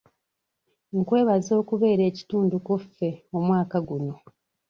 Nkwebaza okubeera ekitundu ku ffe omwaka guno.